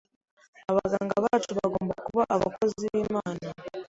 Abaganga bacu bagomba kuba abakozi b’Imana